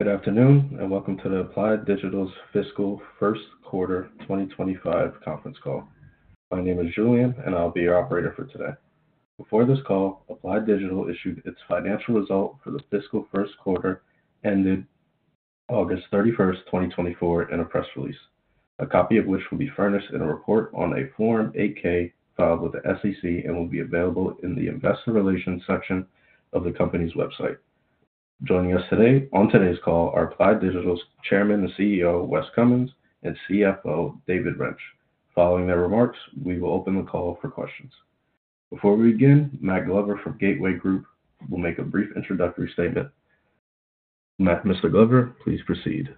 Good afternoon, and welcome to the Applied Digital's fiscal first quarter 2025 conference call. My name is Julian, and I'll be your operator for today. Before this call, Applied Digital issued its financial results for the fiscal first quarter, ended August 31, 2024, in a press release. A copy of which will be furnished in a report on a Form 8-K filed with the SEC, and will be available in the investor relations section of the company's website. Joining us today, on today's call, are Applied Digital's Chairman and CEO, Wes Cummins, and CFO, David Rench. Following their remarks, we will open the call for questions. Before we begin, Matt Glover from Gateway Group will make a brief introductory statement. Matt, Mr. Glover, please proceed.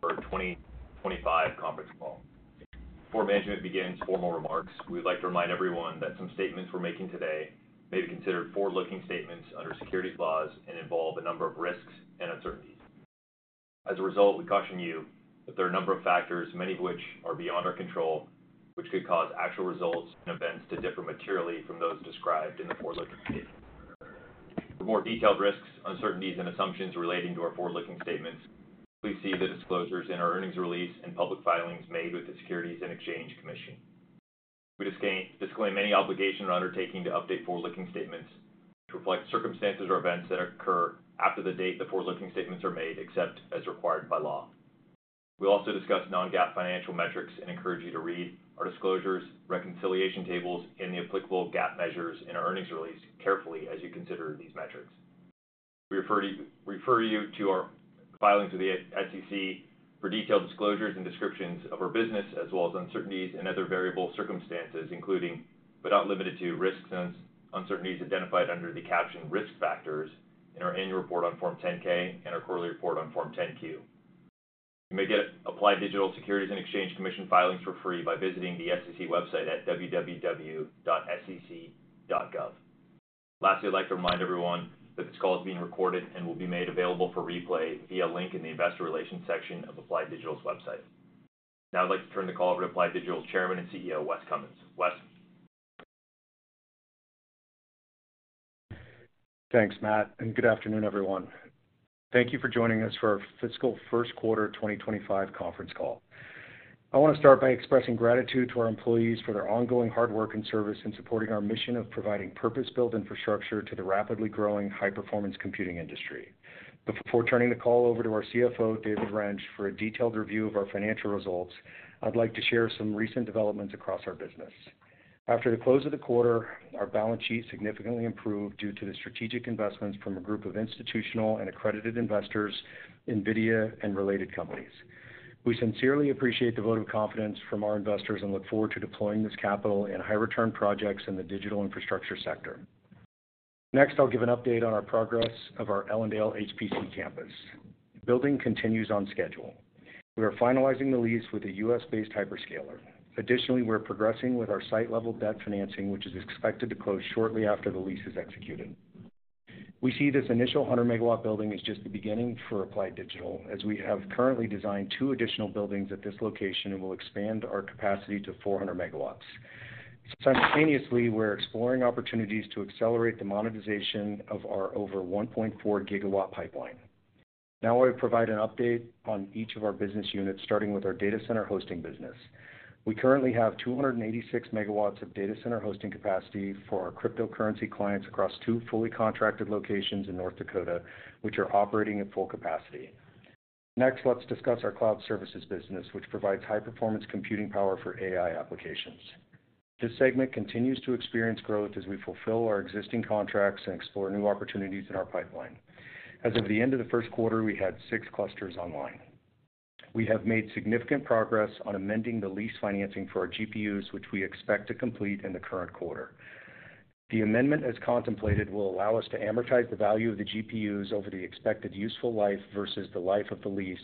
For 2025 conference call. Before management begins formal remarks, we'd like to remind everyone that some statements we're making today may be considered forward-looking statements under securities laws and involve a number of risks and uncertainties. As a result, we caution you that there are a number of factors, many of which are beyond our control, which could cause actual results and events to differ materially from those described in the forward-looking statements. For more detailed risks, uncertainties, and assumptions relating to our forward-looking statements, please see the disclosures in our earnings release and public filings made with the Securities and Exchange Commission. We disclaim any obligation or undertaking to update forward-looking statements to reflect circumstances or events that occur after the date the forward-looking statements are made, except as required by law. We also discuss non-GAAP financial metrics and encourage you to read our disclosures, reconciliation tables, and the applicable GAAP measures in our earnings release carefully as you consider these metrics. We refer you to our filings with the SEC for detailed disclosures and descriptions of our business, as well as uncertainties and other variable circumstances, including but not limited to, risks and uncertainties identified under the captioned risk factors in our annual report on Form 10-K and our quarterly report on Form 10-Q. You may get Applied Digital's Securities and Exchange Commission filings for free by visiting the SEC website at www.sec.gov. Lastly, I'd like to remind everyone that this call is being recorded and will be made available for replay via a link in the Investor Relations section of Applied Digital's website. Now I'd like to turn the call over to Applied Digital's Chairman and CEO, Wes Cummins. Wes? Thanks, Matt, and good afternoon, everyone. Thank you for joining us for our fiscal first quarter 2025 conference call. I want to start by expressing gratitude to our employees for their ongoing hard work and service in supporting our mission of providing purpose-built infrastructure to the rapidly growing high-performance computing industry. Before turning the call over to our CFO, David Rench, for a detailed review of our financial results, I'd like to share some recent developments across our business. After the close of the quarter, our balance sheet significantly improved due to the strategic investments from a group of institutional and accredited investors, NVIDIA and related companies. We sincerely appreciate the vote of confidence from our investors and look forward to deploying this capital in high return projects in the digital infrastructure sector. Next, I'll give an update on our progress of our Ellendale HPC campus. Building continues on schedule. We are finalizing the lease with a U.S.-based hyperscaler. Additionally, we're progressing with our site-level debt financing, which is expected to close shortly after the lease is executed. We see this initial 100-megawatt building as just the beginning for Applied Digital, as we have currently designed two additional buildings at this location and will expand our capacity to 400 megawatts. Simultaneously, we're exploring opportunities to accelerate the monetization of our over 1.4 GW pipeline. Now, I provide an update on each of our business units, starting with our data center hosting business. We currently have 286 MW of data center hosting capacity for our cryptocurrency clients across two fully contracted locations in North Dakota, which are operating at full capacity. Next, let's discuss our cloud services business, which provides high-performance computing power for AI applications. This segment continues to experience growth as we fulfill our existing contracts and explore new opportunities in our pipeline. As of the end of the first quarter, we had six clusters online. We have made significant progress on amending the lease financing for our GPUs, which we expect to complete in the current quarter. The amendment, as contemplated, will allow us to amortize the value of the GPUs over the expected useful life versus the life of the lease,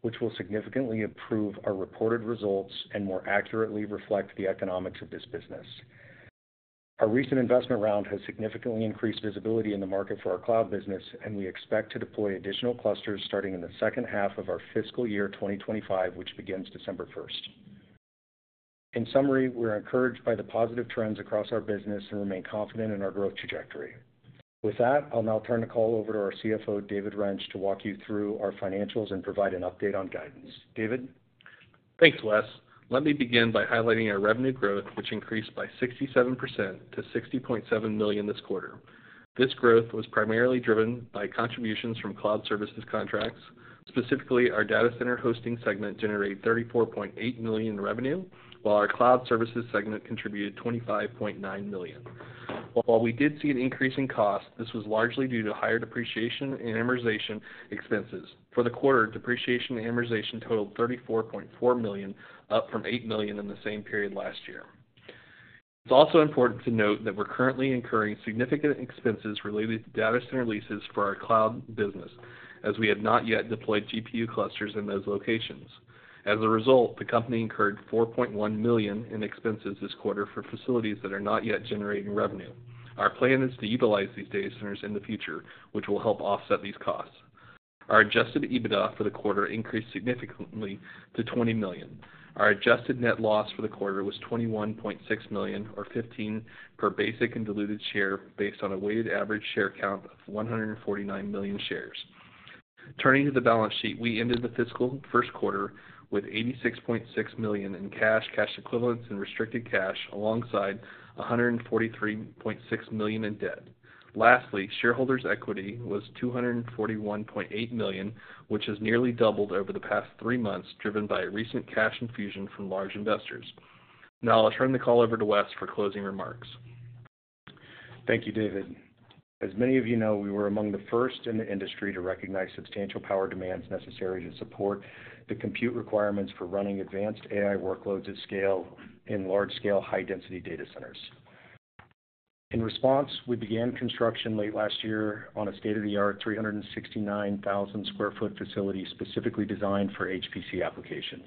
which will significantly improve our reported results and more accurately reflect the economics of this business. Our recent investment round has significantly increased visibility in the market for our cloud business, and we expect to deploy additional clusters starting in the second half of our fiscal year twe, which begins December first. In summary, we're encouraged by the positive trends across our business and remain confident in our growth trajectory. With that, I'll now turn the call over to our CFO, David Rench, to walk you through our financials and provide an update on guidance. David? Thanks, Wes. Let me begin by highlighting our revenue growth, which increased by 67% to $60.7 million this quarter. This growth was primarily driven by contributions from cloud services contracts. Specifically, our data center hosting segment generated $34.8 million in revenue, while our cloud services segment contributed $25.9 million. While we did see an increase in cost, this was largely due to higher depreciation and amortization expenses. For the quarter, depreciation and amortization totaled $34.4 million, up from $8 million in the same period last year. It's also important to note that we're currently incurring significant expenses related to data center leases for our cloud business, as we have not yet deployed GPU clusters in those locations. As a result, the company incurred $4.1 million in expenses this quarter for facilities that are not yet generating revenue. Our plan is to utilize these data centers in the future, which will help offset these costs. Our Adjusted EBITDA for the quarter increased significantly to $20 million. Our Adjusted Net Loss for the quarter was $21.6 million, or $0.15 per basic and diluted share, based on a weighted average share count of 149 million shares. Turning to the balance sheet, we ended the fiscal first quarter with $86.6 million in cash, cash equivalents, and restricted cash, alongside $143.6 million in debt. Lastly, shareholders' equity was $241.8 million, which has nearly doubled over the past three months, driven by a recent cash infusion from large investors. Now I'll turn the call over to Wes for closing remarks. Thank you, David. As many of you know, we were among the first in the industry to recognize substantial power demands necessary to support the compute requirements for running advanced AI workloads at scale in large-scale, high-density data centers. In response, we began construction late last year on a state-of-the-art 369,000 sq ft facility, specifically designed for HPC applications.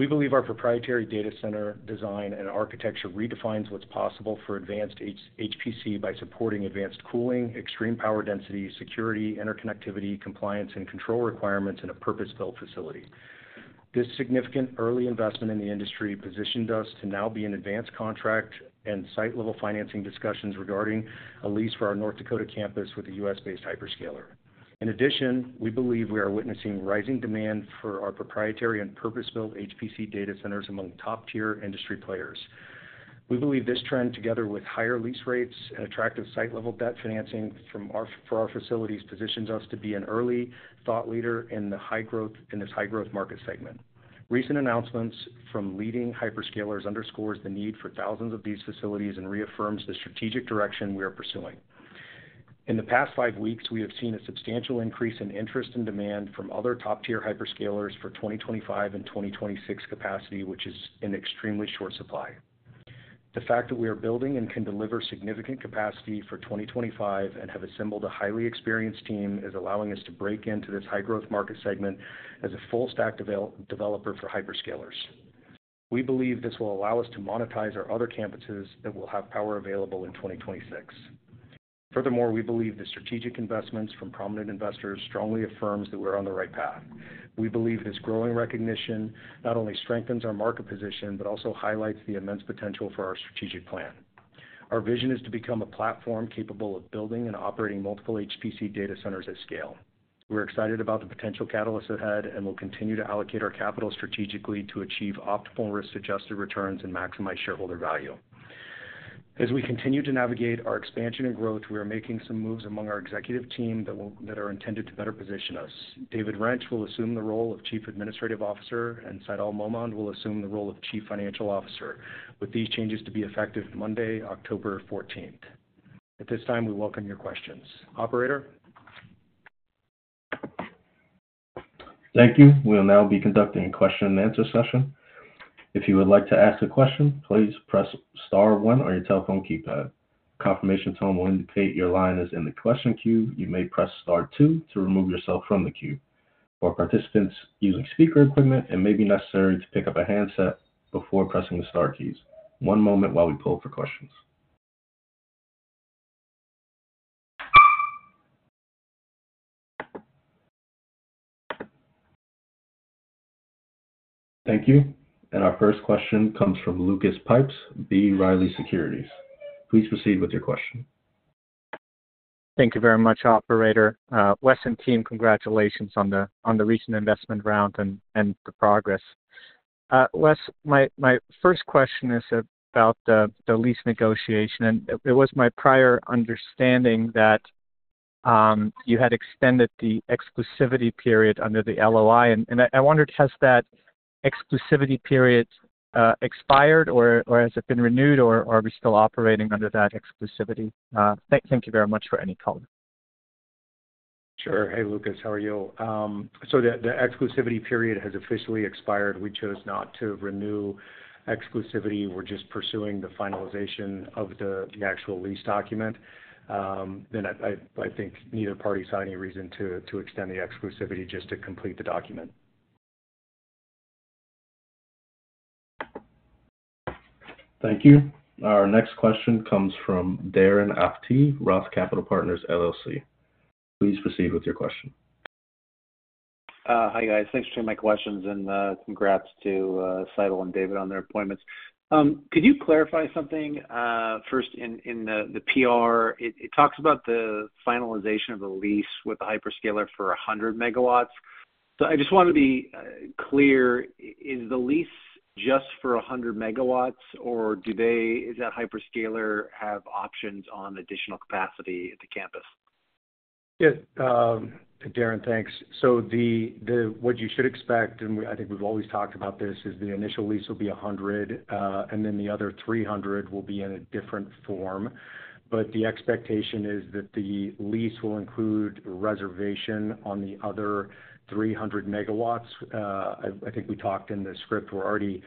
We believe our proprietary data center design and architecture redefines what's possible for advanced HPC by supporting advanced cooling, extreme power density, security, interconnectivity, compliance, and control requirements in a purpose-built facility. This significant early investment in the industry positioned us to now be in advanced contract and site-level financing discussions regarding a lease for our North Dakota campus with a U.S.-based hyperscaler. In addition, we believe we are witnessing rising demand for our proprietary and purpose-built HPC data centers among top-tier industry players. We believe this trend, together with higher lease rates and attractive site-level debt financing for our facilities, positions us to be an early thought leader in this high-growth market segment. Recent announcements from leading hyperscalers underscores the need for thousands of these facilities and reaffirms the strategic direction we are pursuing. In the past five weeks, we have seen a substantial increase in interest and demand from other top-tier hyperscalers for 2025 and 2026 capacity, which is in extremely short supply. The fact that we are building and can deliver significant capacity for 2025 and have assembled a highly experienced team, is allowing us to break into this high-growth market segment as a full stack developer for hyperscalers. We believe this will allow us to monetize our other campuses that will have power available in 2026. Furthermore, we believe the strategic investments from prominent investors strongly affirms that we're on the right path. We believe this growing recognition not only strengthens our market position, but also highlights the immense potential for our strategic plan. Our vision is to become a platform capable of building and operating multiple HPC data centers at scale. We're excited about the potential catalysts ahead, and we'll continue to allocate our capital strategically to achieve optimal risk-adjusted returns and maximize shareholder value. As we continue to navigate our expansion and growth, we are making some moves among our executive team that will, that are intended to better position us. David Rench will assume the role of Chief Administrative Officer, and Saibal Momen will assume the role of Chief Financial Officer, with these changes to be effective Monday, October fourteenth. At this time, we welcome your questions. Operator? Thank you. We'll now be conducting a question-and-answer session. If you would like to ask a question, please press star one on your telephone keypad. Confirmation tone will indicate your line is in the question queue. You may press star two to remove yourself from the queue. For participants using speaker equipment, it may be necessary to pick up a handset before pressing the star keys. One moment while we pull for questions. Thank you. And our first question comes from Lukas Pipes, B. Riley Securities. Please proceed with your question. Thank you very much, operator. Wes and team, congratulations on the recent investment round and the progress. Wes, my first question is about the lease negotiation, and it was my prior understanding that you had extended the exclusivity period under the LOI, and I wondered, has that exclusivity period expired, or has it been renewed, or are we still operating under that exclusivity? Thank you very much for any comment. Sure. Hey, Lukas, how are you? So the exclusivity period has officially expired. We chose not to renew exclusivity. We're just pursuing the finalization of the actual lease document. Then I think neither party saw any reason to extend the exclusivity just to complete the document. Thank you. Our next question comes from Darren Aftahi, Roth Capital Partners, LLC. Please proceed with your question. Hi, guys. Thanks for taking my questions, and congrats to Saibal and David on their appointments. Could you clarify something? First, in the PR, it talks about the finalization of the lease with the hyperscaler for 100 megawatts. So I just wanted to be clear, is the lease just for 100 megawatts, or do they... is that hyperscaler have options on additional capacity at the campus? Yeah, Darren, thanks. So what you should expect, and I think we've always talked about this, is the initial lease will be 100, and then the other 300 will be in a different form. But the expectation is that the lease will include a reservation on the other 300 MW. I think we talked in the script, we're already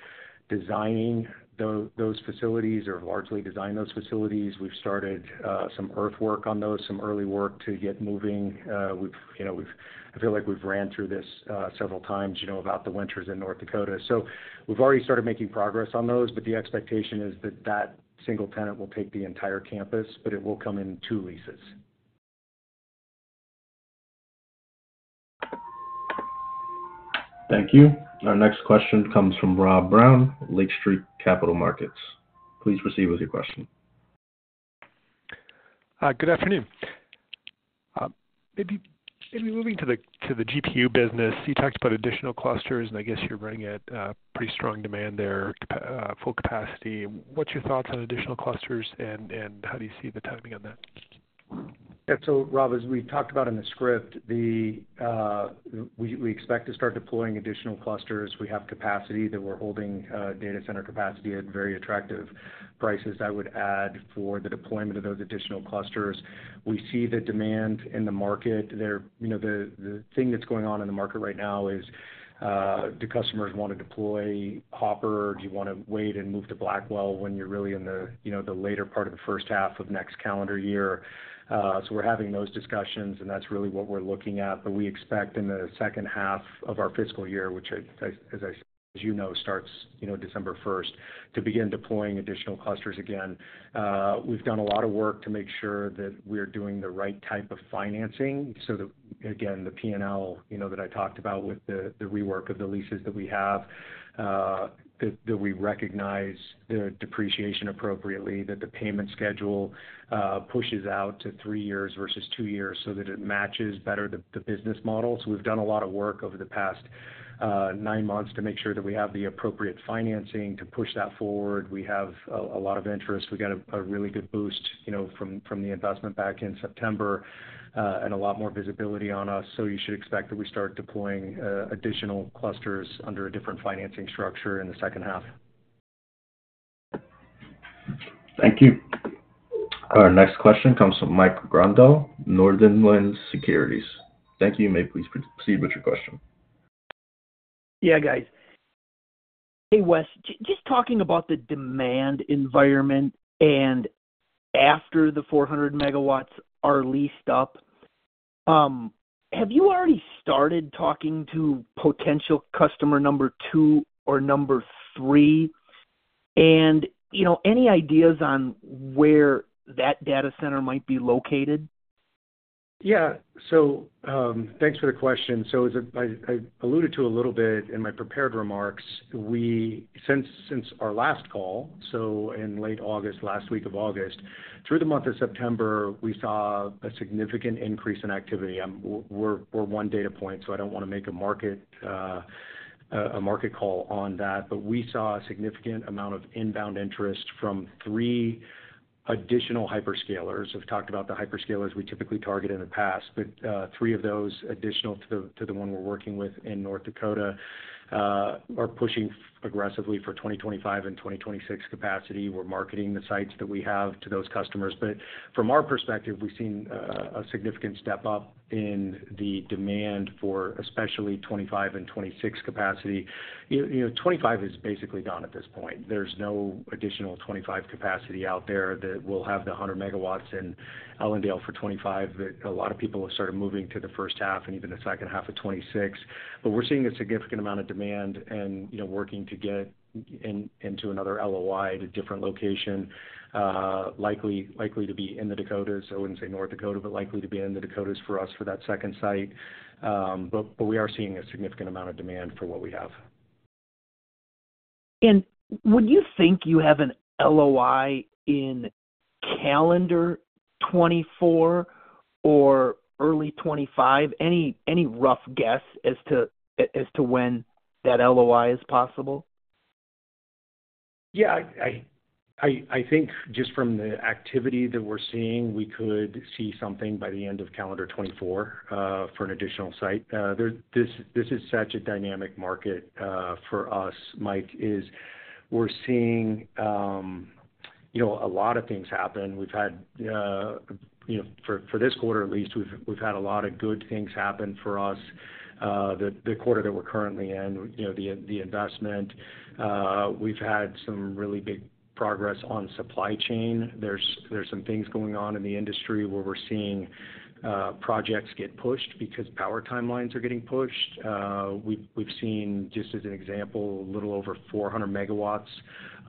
designing those facilities or largely designed those facilities. We've started some earthwork on those, some early work to get moving. We've, you know, I feel like we've ran through this several times, you know, about the winters in North Dakota. So we've already started making progress on those, but the expectation is that single tenant will take the entire campus, but it will come in two leases. Thank you. Our next question comes from Rob Brown, Lake Street Capital Markets. Please proceed with your question. Good afternoon. Maybe moving to the GPU business, you talked about additional clusters, and I guess you're running at pretty strong demand there, full capacity. What's your thoughts on additional clusters, and how do you see the timing on that? Yeah. So Rob, as we talked about in the script, the, we expect to start deploying additional clusters. We have capacity that we're holding, data center capacity at very attractive prices, I would add, for the deployment of those additional clusters. We see the demand in the market there. You know, the thing that's going on in the market right now is, do customers want to deploy Hopper, or do you want to wait and move to Blackwell when you're really in the, you know, the later part of the first half of next calendar year? So we're having those discussions, and that's really what we're looking at. But we expect in the second half of our fiscal year, which, as you know, starts, you know, December first, to begin deploying additional clusters again. We've done a lot of work to make sure that we're doing the right type of financing so that, again, the P&L, you know, that I talked about with the rework of the leases that we have, that we recognize the depreciation appropriately, that the payment schedule pushes out to three years versus two years, so that it matches better the business model. So we've done a lot of work over the past nine months to make sure that we have the appropriate financing to push that forward. We have a lot of interest. We got a really good boost, you know, from the investment back in September, and a lot more visibility on us. So you should expect that we start deploying additional clusters under a different financing structure in the second half. Thank you. Our next question comes from Mike Grondahl, Northland Securities. Thank you. You may please proceed with your question. Yeah, guys. Hey, Wes, just talking about the demand environment and after the 400 MW are leased up, have you already started talking to potential customer number two or number three? And, you know, any ideas on where that data center might be located? Yeah. So, thanks for the question. So as I alluded to a little bit in my prepared remarks, we since our last call, so in late August, last week of August, through the month of September, we saw a significant increase in activity. We're one data point, so I don't want to make a market call on that. But we saw a significant amount of inbound interest from three additional hyperscalers. We've talked about the hyperscalers we typically target in the past, but three of those additional to the one we're working with in North Dakota are pushing aggressively for 2025 and 2026 capacity. We're marketing the sites that we have to those customers, but from our perspective, we've seen a significant step up in the demand for especially 2025 and 2026 capacity. You know, twenty-five is basically gone at this point. There's no additional twenty-five capacity out there that will have the 100 MW in Ellendale for twenty-five. That's a lot of people have started moving to the first half and even the second half of twenty-six. But we're seeing a significant amount of demand and, you know, working to get into another LOI at a different location, likely to be in the Dakotas. I wouldn't say North Dakota, but likely to be in the Dakotas for us for that second site. But we are seeing a significant amount of demand for what we have. Would you think you have an LOI in calendar 2024 or early 2025? Any rough guess as to when that LOI is possible? Yeah, I think just from the activity that we're seeing, we could see something by the end of calendar 2024 for an additional site. This is such a dynamic market for us, Mike, as we're seeing, you know, a lot of things happen. We've had, you know, for this quarter at least, we've had a lot of good things happen for us, the quarter that we're currently in, you know, the investment. We've had some really big progress on supply chain. There's some things going on in the industry where we're seeing projects get pushed because power timelines are getting pushed. We've seen, just as an example, a little over 400 megawatts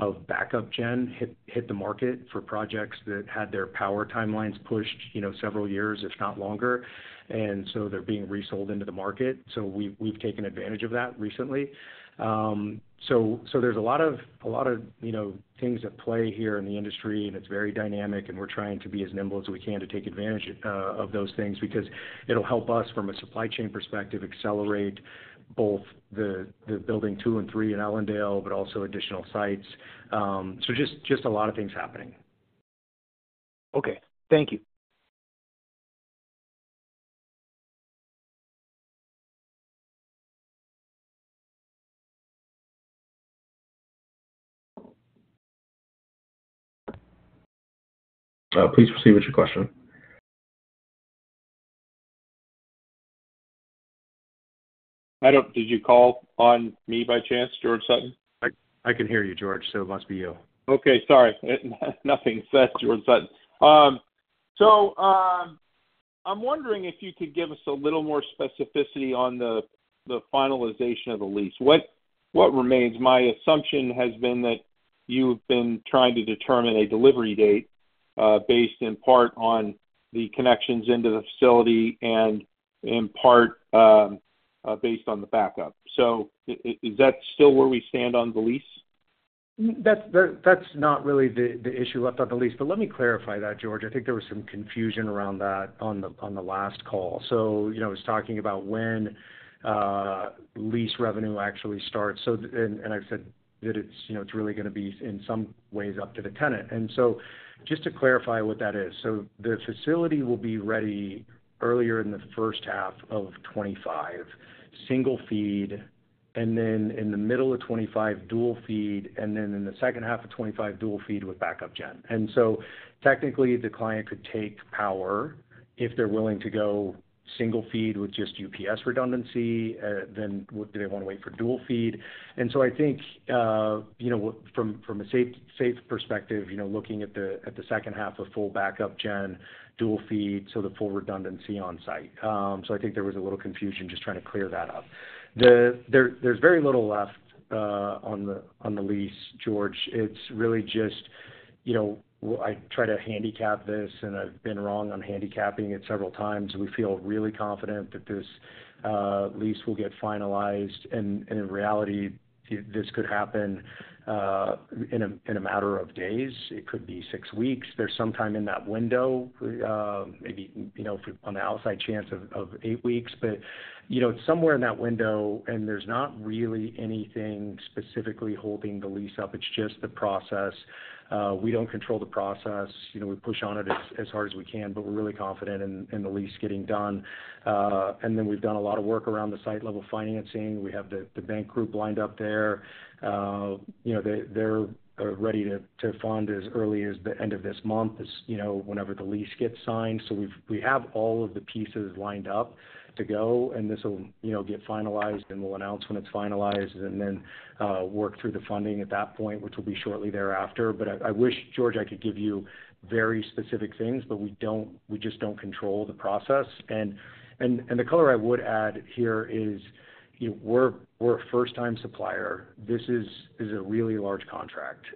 of backup gen hit the market for projects that had their power timelines pushed, you know, several years, if not longer, so they're being resold into the market, so we've taken advantage of that recently, so there's a lot of, you know, things at play here in the industry, and it's very dynamic, and we're trying to be as nimble as we can to take advantage of those things. Because it'll help us, from a supply chain perspective, accelerate both the building two and three in Ellendale, but also additional sites, so just a lot of things happening. Okay. Thank you. Please proceed with your question. Did you call on me by chance, George Sutton? I can hear you, George, so it must be you. Okay, sorry. Nothing, it's George Sutton. So, I'm wondering if you could give us a little more specificity on the finalization of the lease. What remains? My assumption has been that you've been trying to determine a delivery date based in part on the connections into the facility and in part based on the backup. So is that still where we stand on the lease? That's not really the issue left on the lease, but let me clarify that, George. I think there was some confusion around that on the last call. So, you know, I was talking about when lease revenue actually starts. So, and I've said that it's, you know, it's really gonna be, in some ways, up to the tenant. And so just to clarify what that is: so the facility will be ready earlier in the first half of 2025, single feed, and then in the middle of 2025, dual feed, and then in the second half of 2025, dual feed with backup gen. And so technically, the client could take power if they're willing to go single feed with just UPS redundancy, then do they want to wait for dual feed? And so I think, you know, from a safe, safe perspective, you know, looking at the second half of full backup gen, dual feed, so the full redundancy on site. So I think there was a little confusion. Just trying to clear that up. There's very little left on the lease, George. It's really just, you know... I try to handicap this, and I've been wrong on handicapping it several times. We feel really confident that this lease will get finalized, and in reality, this could happen in a matter of days. It could be six weeks. There's some time in that window, maybe, you know, on the outside chance of eight weeks. But, you know, it's somewhere in that window, and there's not really anything specifically holding the lease up. It's just the process. We don't control the process. You know, we push on it as hard as we can, but we're really confident in the lease getting done. And then we've done a lot of work around the site-level financing. We have the bank group lined up there. You know, they're ready to fund as early as the end of this month, as you know, whenever the lease gets signed. So we have all of the pieces lined up to go, and this will, you know, get finalized, and we'll announce when it's finalized and then work through the funding at that point, which will be shortly thereafter. But I wish, George, I could give you very specific things, but we just don't control the process. The color I would add here is, you know, we're a first-time supplier. This is a really large contract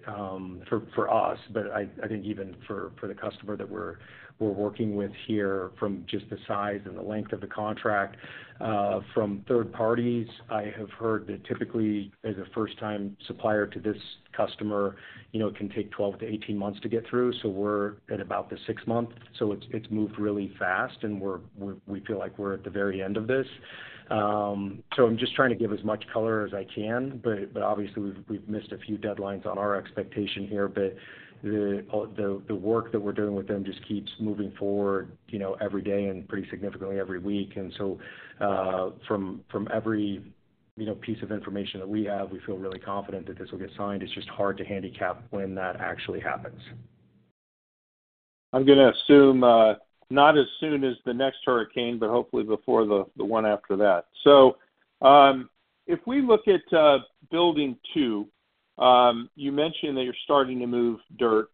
for us, but I think even for the customer that we're working with here from just the size and the length of the contract. From third parties, I have heard that typically, as a first-time supplier to this customer, you know, it can take 12 to 18 months to get through, so we're at about the sixth month. So it's moved really fast, and we feel like we're at the very end of this. So I'm just trying to give as much color as I can, but obviously we've missed a few deadlines on our expectation here. But the work that we're doing with them just keeps moving forward, you know, every day and pretty significantly every week. And so, from every, you know, piece of information that we have, we feel really confident that this will get signed. It's just hard to handicap when that actually happens. I'm gonna assume not as soon as the next hurricane, but hopefully before the one after that. So, if we look at building two, you mentioned that you're starting to move dirt.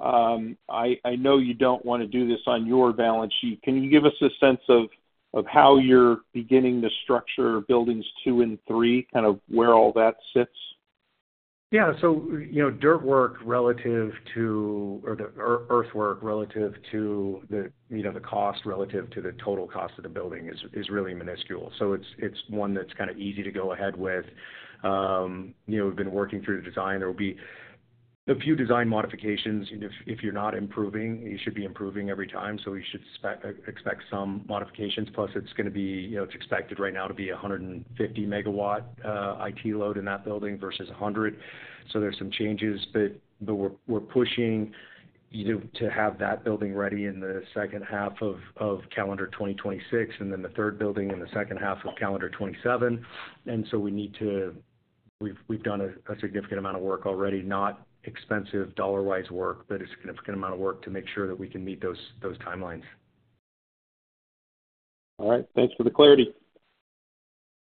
I know you don't want to do this on your balance sheet. Can you give us a sense of how you're beginning to structure buildings two and three, kind of where all that sits? Yeah. So, you know, dirt work relative to... or the earthwork relative to the, you know, the cost, relative to the total cost of the building is really minuscule. So it's one that's kind of easy to go ahead with. You know, we've been working through the design. There will be a few design modifications. If you're not improving, you should be improving every time, so we should expect some modifications. Plus, it's gonna be... You know, it's expected right now to be 150 megawatt IT load in that building versus 100. So there's some changes, but we're pushing you to have that building ready in the second half of calendar 2026, and then the third building in the second half of calendar 2027. And so we need to. We've done a significant amount of work already. Not expensive dollar-wise work, but a significant amount of work to make sure that we can meet those timelines. All right. Thanks for the clarity.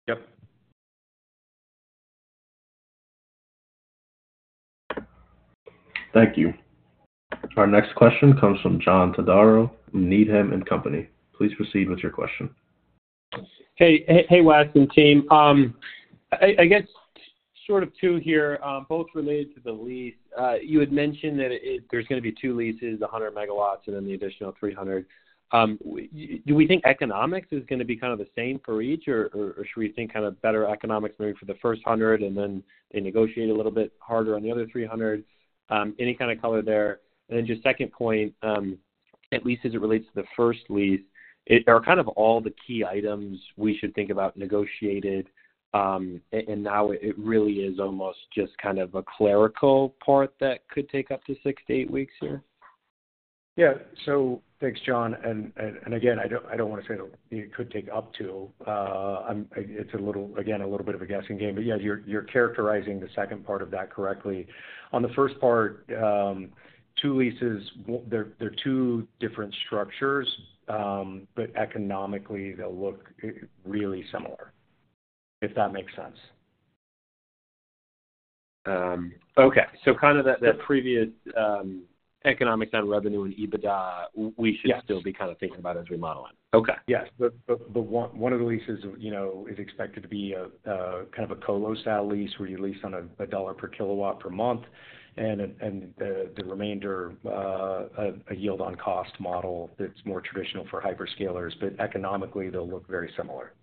Yep. Thank you. Our next question comes from John Todaro, Needham & Company. Please proceed with your question. Hey, hey, Wes and team. I guess sort of two here, both related to the lease. You had mentioned that there's gonna be two leases, 100 megawatts, and then the additional 300. Do we think economics is gonna be kind of the same for each, or should we think kind of better economics maybe for the first 100, and then they negotiate a little bit harder on the other 300? Any kind of color there. And then just second point, at least as it relates to the first lease, are kind of all the key items we should think about negotiated, and now it really is almost just kind of a clerical part that could take up to 6 to 8 weeks here? Yeah. So thanks, John. And again, I don't want to say that it could take up to, it's a little, again, a little bit of a guessing game. But yeah, you're characterizing the second part of that correctly. On the first part, two leases, they're two different structures, but economically, they'll look really similar, if that makes sense.... Okay, so kind of that, that previous, economics on revenue and EBITDA, we should- Yes. Still be kind of thinking about as we model it. Okay. Yes, but one of the leases, you know, is expected to be a kind of a colo-style lease, where you lease on a $1 per kilowatt per month, and the remainder a yield on cost model that's more traditional for hyperscalers, but economically, they'll look very similar.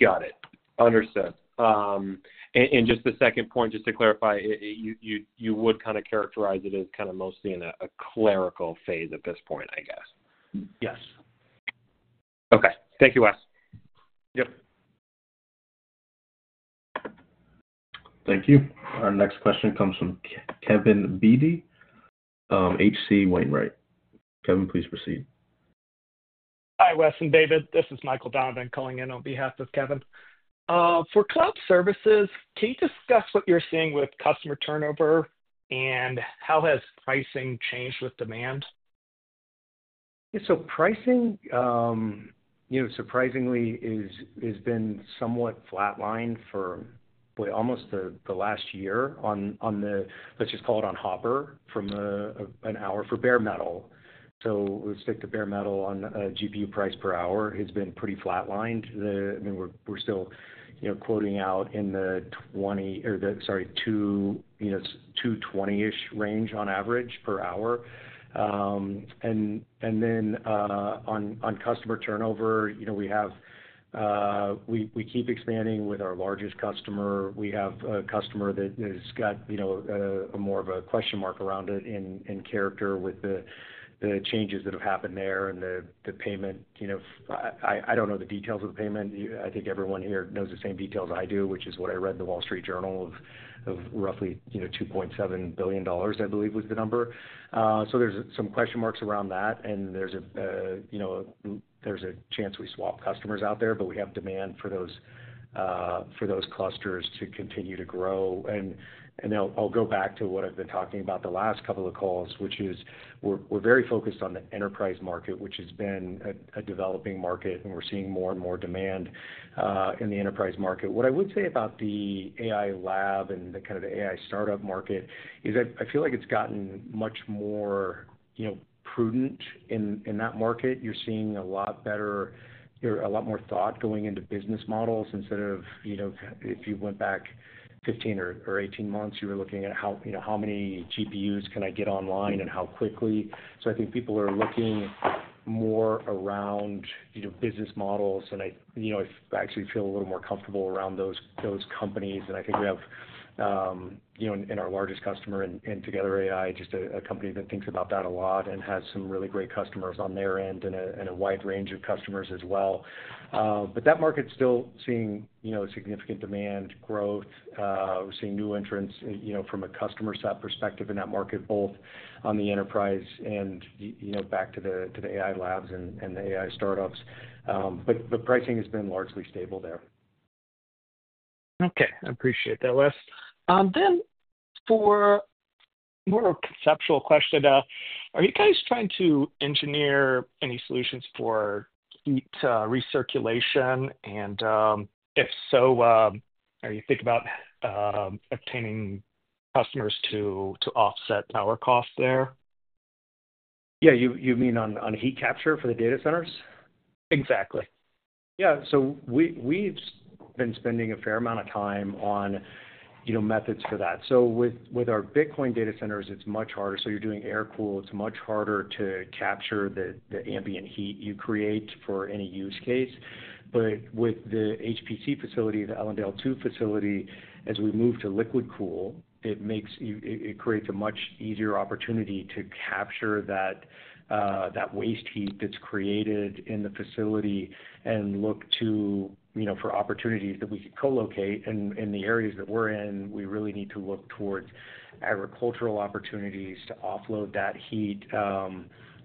Got it. Understood and just the second point, just to clarify, you would kind of characterize it as kind of mostly in a clerical phase at this point, I guess? Yes. Okay. Thank you, Wes. Yep. Thank you. Our next question comes from Kevin Dede, H.C. Wainwright. Kevin, please proceed. Hi, Wes and David. This is Michael Donovan calling in on behalf of Kevin. For cloud services, can you discuss what you're seeing with customer turnover, and how has pricing changed with demand? Yeah, so pricing, you know, surprisingly, is has been somewhat flatlined for, boy, almost the last year on the... Let's just call it on Hopper, from an hour for bare metal. So let's stick to bare metal on a GPU price per hour, has been pretty flatlined. I mean, we're still, you know, quoting out in the twenty, or the, sorry, two, two twenty-ish range on average per hour. And then, on customer turnover, you know, we keep expanding with our largest customer. We have a customer that has got, you know, a more of a question mark around it in Character.AI with the changes that have happened there and the payment. You know, I don't know the details of the payment. I think everyone here knows the same details I do, which is what I read in The Wall Street Journal of roughly $2.7 billion, I believe, was the number. So there's some question marks around that, and there's a chance we swap customers out there, but we have demand for those clusters to continue to grow. I'll go back to what I've been talking about the last couple of calls, which is we're very focused on the enterprise market, which has been a developing market, and we're seeing more and more demand in the enterprise market. What I would say about the AI lab and the kind of the AI startup market is I feel like it's gotten much more prudent in that market. You're seeing a lot better. You know, a lot more thought going into business models instead of, you know, if you went back fifteen or eighteen months, you were looking at how, you know, how many GPUs can I get online and how quickly? So I think people are looking more around, you know, business models, and I, you know, I actually feel a little more comfortable around those companies. And I think we have, you know, in our largest customer, in Together AI, just a company that thinks about that a lot and has some really great customers on their end and a wide range of customers as well. But that market's still seeing, you know, significant demand growth. We're seeing new entrants, you know, from a customer side perspective in that market, both on the enterprise and you know, back to the AI labs and the AI startups. But the pricing has been largely stable there. Okay, I appreciate that, Wes. Then for more of a conceptual question, are you guys trying to engineer any solutions for heat recirculation? And if so, are you think about obtaining customers to offset power costs there? Yeah, you mean on heat capture for the data centers? Exactly. Yeah. So we've been spending a fair amount of time on, you know, methods for that. With our Bitcoin data centers, it's much harder, so you're doing air-cooled, it's much harder to capture the ambient heat you create for any use case. But with the HPC facility, the Ellendale Two facility, as we move to liquid cool, it creates a much easier opportunity to capture that waste heat that's created in the facility and look to, you know, for opportunities that we could co-locate. In the areas that we're in, we really need to look towards agricultural opportunities to offload that heat,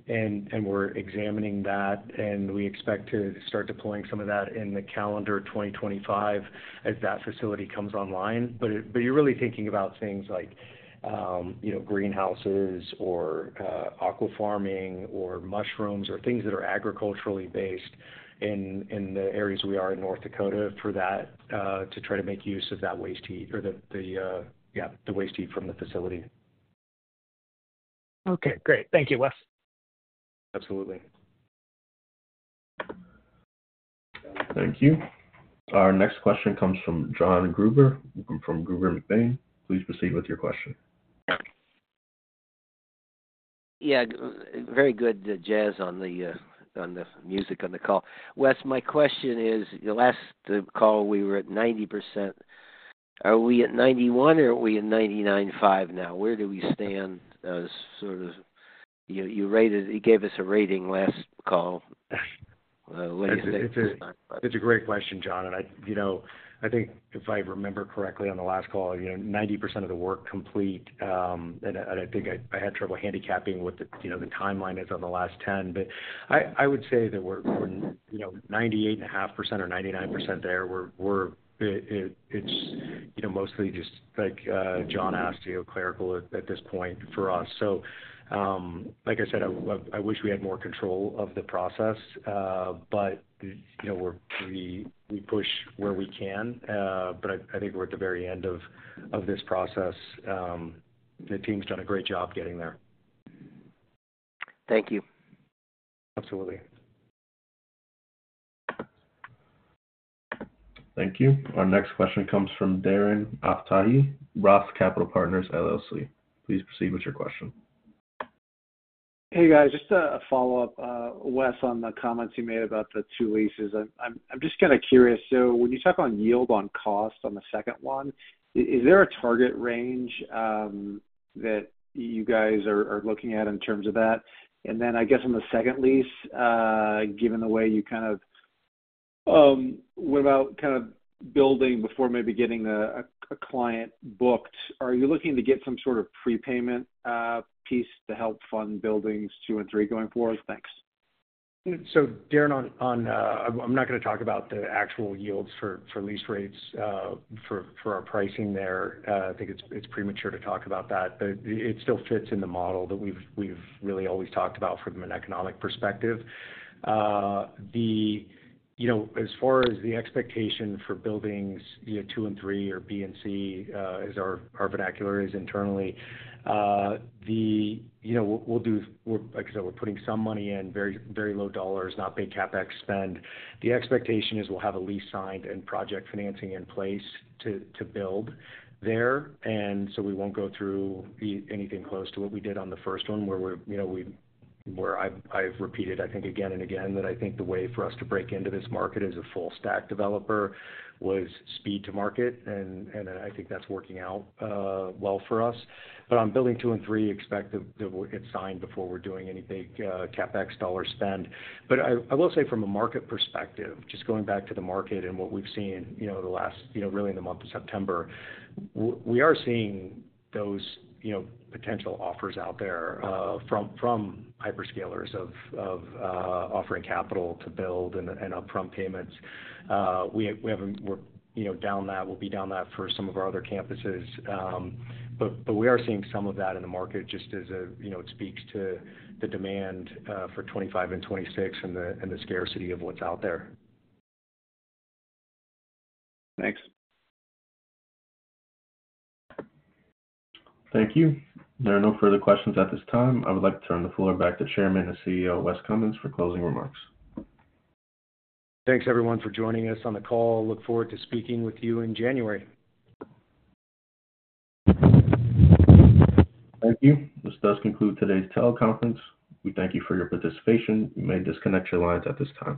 and we're examining that, and we expect to start deploying some of that in the calendar 2025 as that facility comes online. But you're really thinking about things like, you know, greenhouses or aqua farming or mushrooms, or things that are agriculturally based in the areas we are in North Dakota for that, to try to make use of that waste heat or the waste heat from the facility. Okay, great. Thank you, Wes. Absolutely. Thank you. Our next question comes from John Gruber, from Gruber & McBaine. Please proceed with your question. Yeah. Yeah, very good, jazz on the, on the music on the call. Wes, my question is: your last call, we were at 90%. Are we at 91% or are we at 99.5% now? Where do we stand as sort of... You rated, you gave us a rating last call. It's a great question, John, and I, you know, I think if I remember correctly on the last call, you know, 90% of the work complete, and I think I had trouble handicapping what the, you know, the timeline is on the last ten. But I would say that we're, you know, 98.5% or 99% there. We're, it's, you know, mostly just like John asked you, clerical at this point for us. So, like I said, I wish we had more control of the process, but, you know, we're, we push where we can, but I think we're at the very end of this process. The team's done a great job getting there. Thank you. Absolutely. Thank you. Our next question comes from Darren Aftahi, Roth Capital Partners, LLC. Please proceed with your question. Hey, guys, just a follow-up, Wes, on the comments you made about the two leases. I'm just kind of curious. So when you talk on yield on cost on the second one, is there a target range that you guys are looking at in terms of that? And then I guess on the second lease, given the way you kind of, what about kind of building before maybe getting a client booked? Are you looking to get some sort of prepayment piece to help fund buildings two and three going forward? Thanks. So Darren, on, I'm not going to talk about the actual yields for lease rates, for our pricing there. I think it's premature to talk about that. But it still fits in the model that we've really always talked about from an economic perspective. You know, as far as the expectation for buildings, you know, two and three, or B and C, as our vernacular is internally, you know, we'll do. We're, like I said, we're putting some money in, very, very low dollars, not big CapEx spend. The expectation is we'll have a lease signed and project financing in place to build there, and so we won't go through anything close to what we did on the first one, where we're, you know, we've... Where I've repeated, I think, again and again, that I think the way for us to break into this market as a full stack developer was speed to market, and I think that's working out well for us. But on building two and three, expect that it will get signed before we're doing any big CapEx dollar spend. But I will say from a market perspective, just going back to the market and what we've seen, you know, the last, you know, really in the month of September, we are seeing those, you know, potential offers out there from hyperscalers of offering capital to build and upfront payments. We have a, we're, you know, down that, we'll be down that for some of our other campuses. but we are seeing some of that in the market just as a, you know, it speaks to the demand for twenty-five and twenty-six and the scarcity of what's out there. Thanks. Thank you. There are no further questions at this time. I would like to turn the floor back to Chairman and CEO, Wes Cummins, for closing remarks. Thanks, everyone, for joining us on the call. Look forward to speaking with you in January. Thank you. This does conclude today's teleconference. We thank you for your participation. You may disconnect your lines at this time.